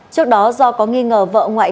trước đó do có nghi ngờ vợ ngoại